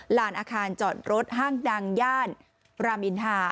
ลานอาคารจอดรถห้างดังย่านรามอินทา